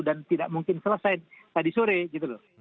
dan tidak mungkin selesai tadi sore gitu loh